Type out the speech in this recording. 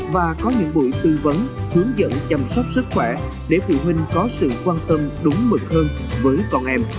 và có những buổi tư vấn hướng dẫn chăm sóc sức khỏe để phụ huynh có sự chăm sóc